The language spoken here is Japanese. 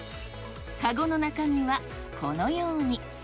籠の中身はこのように。